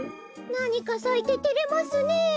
なにかさいててれますねえ。